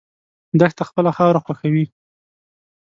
دښته خپله خاوره خوښوي.